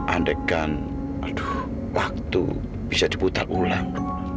andai kan aduh waktu bisa diputar ulang